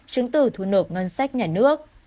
chứng tử thu nộp ngân sách nhà nước